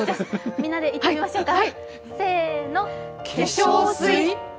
みんなで言ってみましょうか。